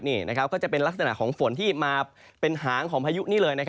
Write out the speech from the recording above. นี่ก็จะเป็นลักษณะของฝนที่มาเป็นหางของพายุนี่เลย